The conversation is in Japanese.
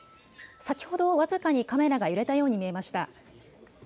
先ほどを僅かにカメラが揺れたように見えました。